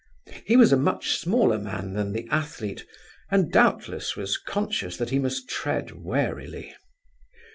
He was a much smaller man than the athlete, and doubtless was conscious that he must tread warily.